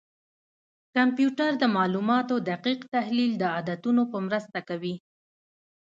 کمپیوټر د معلوماتو دقیق تحلیل د عددونو په مرسته کوي.